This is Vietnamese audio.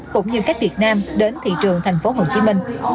cũng như khách việt nam đến thị trường tp hcm